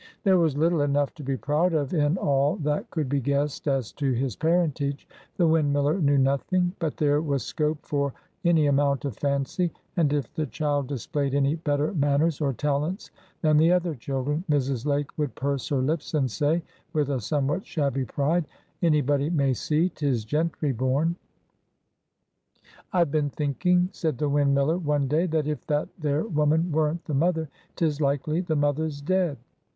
There was little enough to be proud of in all that could be guessed as to his parentage (the windmiller knew nothing), but there was scope for any amount of fancy; and if the child displayed any better manners or talents than the other children, Mrs. Lake would purse her lips, and say, with a somewhat shabby pride,— "Anybody may see 'tis gentry born." "I've been thinking," said the windmiller, one day, "that if that there woman weren't the mother, 'tis likely the mother's dead."